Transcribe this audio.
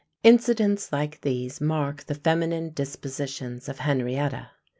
Incidents like these mark the feminine dispositions of Henrietta.